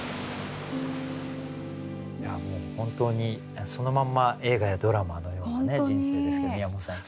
いやもう本当にそのまんま映画やドラマのようなね人生ですけど宮本さん